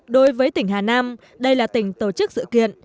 đối với tỉnh hà nam đây là tỉnh tổ chức sự kiện